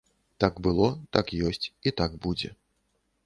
Так было, так ёсць і так будзе.